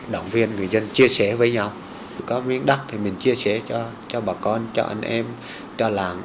để với nhau có miếng đất thì mình chia sẻ cho bà con cho anh em cho làng